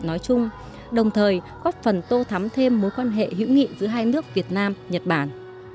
nói chung đồng thời góp phần tô thắm thêm mối quan hệ hữu nghị giữa hai nước việt nam nhật bản